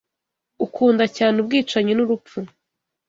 Ukunda cyane ubwicanyi n'urupfu